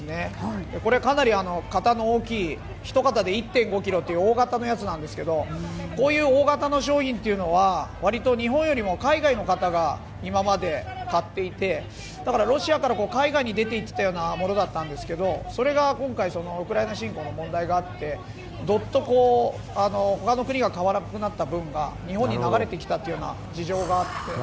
これはかなり型の大きい１型で１．５ｋｇという大型のやつなんですけどこういう大型の商品は割と日本よりも海外の方が今まで買っていてロシアから海外に出て行ってたようなものなんですけどそれが今回ウクライナ侵攻の問題があってどっと他の国が買わなくなった分が日本に流れてきたという事情があって。